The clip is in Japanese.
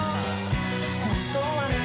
本当はね